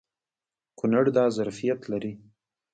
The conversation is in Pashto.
کونړ دا ظرفیت لري.